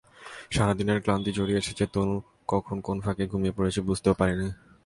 সারা দিনের ক্লান্তি, জড়িয়ে এসেছে তনু, কখন কোন ফাঁকে ঘুমিয়ে পড়েছি বুঝতেও পারিনি।